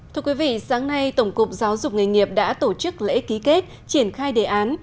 thưa quý vị sáng nay tổng cục giáo dục nghề nghiệp đã tổ chức lễ ký kết triển khai đề án